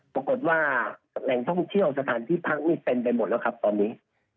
กระทั่งแหล่งท่องเที่ยวสถานที่พักนี่เต็มไปหมดแล้วครับตอนนี้